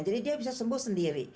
jadi dia bisa sembuh sendiri